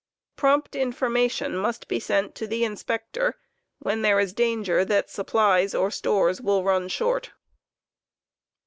Prompt information must be sent to the Inspector when there is danger that b J information to supplies or stores will run short.